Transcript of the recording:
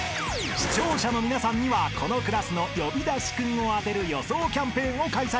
［視聴者の皆さんにはこのクラスの呼び出しクンを当てる予想キャンペーンを開催中］